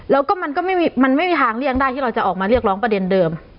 แล้วก็มันก็มันไม่มีทางเลี่ยงได้ที่เราจะออกมาเรียกร้องประเด็นเดิม